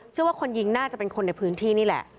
ว่าคนยิงน่าจะเป็นคนในพื้นที่นี่แหละ